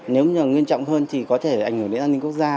nếu như nguyên trọng hơn thì có thể ảnh hưởng đến an ninh quốc gia